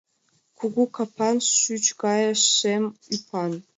Кугу капан, шӱч гае шем ӱпан.